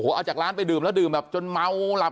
อยู่ดีมาตายแบบเปลือยคาห้องน้ำได้ยังไง